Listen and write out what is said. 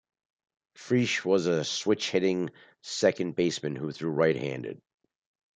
Frisch was a switch-hitting second baseman who threw right-handed.